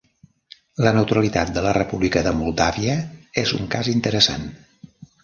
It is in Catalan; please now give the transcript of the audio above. La neutralitat de la República de Moldàvia és un cas interessant.